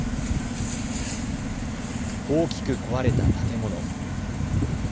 大きく壊れた建物。